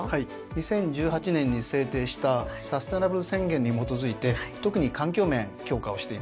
２０１８年に制定したサステナブル宣言に基づいて特に環境面強化をしています。